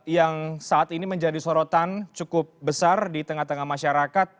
yang saat ini menjadi sorotan cukup besar di tengah tengah masyarakat